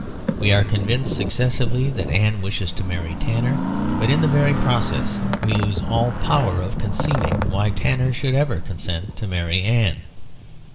We are convinced successfully that Anne wishes to marry Tanner, but in the very process we lose all power of conceiving why Tanner should ever consent to marry Anne.